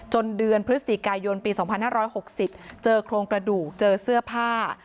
เดือนพฤศจิกายนปี๒๕๖๐เจอโครงกระดูกเจอเสื้อผ้า